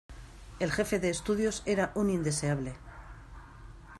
El jefe de estudios era un indeseable.